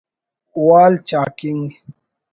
وال چاکنگ